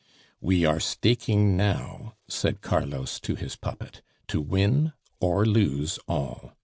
"We are staking now," said Carlos to his puppet, "to win or lose all.